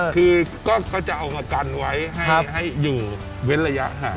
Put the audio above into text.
คือก็จะเอามากันไว้ให้อยู่เว้นระยะห่าง